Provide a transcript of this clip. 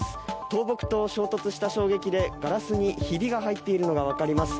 倒木と衝突した衝撃でガラスにひびが入っているのがわかります。